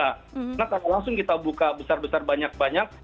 karena kalau langsung kita buka besar besar banyak banyak